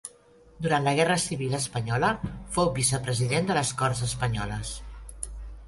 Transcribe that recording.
Durant la guerra civil espanyola fou vicepresident de les Corts Espanyoles.